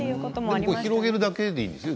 でも広げるだけでいいんですよね。